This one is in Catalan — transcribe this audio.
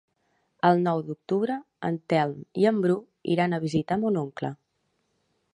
El nou d'octubre en Telm i en Bru iran a visitar mon oncle.